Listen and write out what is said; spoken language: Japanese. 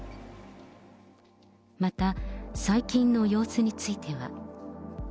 また最近の様子については。